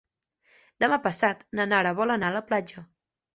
Demà passat na Nara vol anar a la platja.